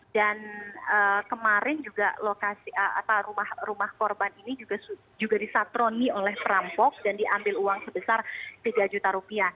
dan kemarin juga rumah korban ini juga disatroni oleh perampok dan diambil uang sebesar tiga juta rupiah